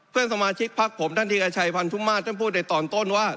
เพื่อนสมาชิกพักผมท่านธีรชัยพันธุมาตรท่านพูดในตอนต้นว่า